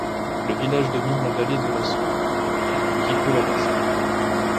Le village domine la vallée de la Sauer, qui coule à l’Est.